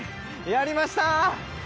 やりましたー！